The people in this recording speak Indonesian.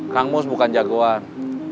kang mus bukan jagoan